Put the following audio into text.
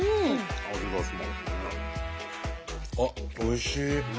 あっおいしい！